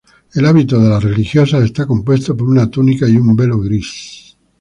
El hábito de las religiosas está compuesto por una túnica y un velo gris.